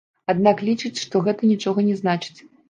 Аднак лічыць, што гэта нічога не значыць.